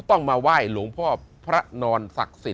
ต้องมาไหว้หลวงพ่อพระนอนศักดิ์สิทธ